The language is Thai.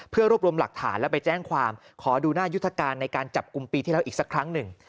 เพื่อรวบรวมหลักฐานแล้วไปแจ้งความขอดูหน้ายุทธการในการจับกลุ่มปีที่แล้วอีกสักครั้งหนึ่ง